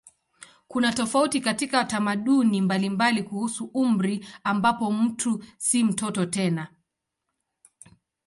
Kuna tofauti katika tamaduni mbalimbali kuhusu umri ambapo mtu si mtoto tena.